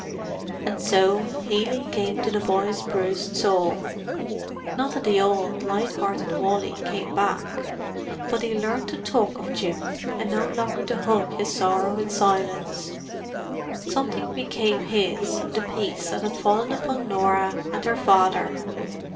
And so, healing came to the boy's bruised soul. Not that the old, light hearted Wally came back: but he learned to talk of Jim, and no longer to hug his sorrow in silence. Something became his of the peace that had fallen upon Norah and her father.